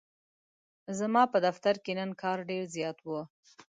ځماپه دفترکی نن کار ډیرزیات و.